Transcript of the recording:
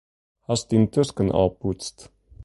Hast dyn tosken al poetst?